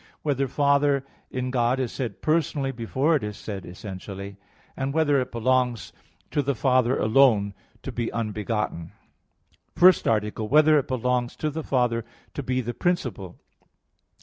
(3) Whether "Father" in God is said personally before it is said essentially? (4) Whether it belongs to the Father alone to be unbegotten? _______________________ FIRST ARTICLE [I, Q. 33, Art. 1] Whether It Belongs to the Father to Be the Principle?